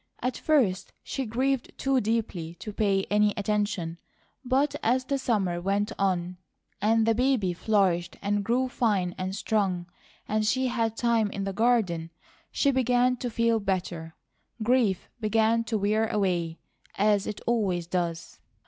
At first she grieved too deeply to pay any attention, but as the summer went on and the baby flourished and grew fine and strong, and she had time in the garden, she began to feel better; grief began to wear away, as it always does.